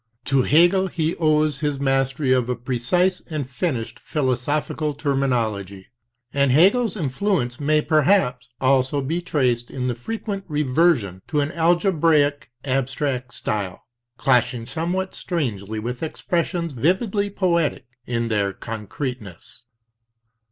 To Hegel he owes his mastery of a precise and finished philosophical terminology, and Hegel's influence may perhaps also be traced in the frequent reversion to an algebraically abstract style, clashing somewhat strangely with expressions vividly poetic in their concreteness.